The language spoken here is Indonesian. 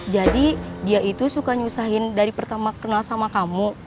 jadi dia itu suka nyusahin dari pertama kenal sama kamu